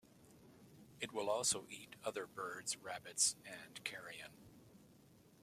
It will also eat other birds, rabbits, and carrion.